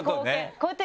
こうやって。